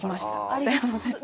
ありがとうございます。